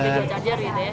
jadi charger gitu ya